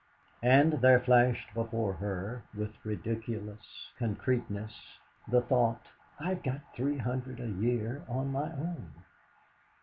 And there flashed before her with ridiculous concreteness the thought: 'I've got three hundred a year of my own!'